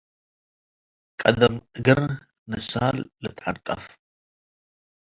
ቀደም እግር ንሳል ልትዐንቀፍ።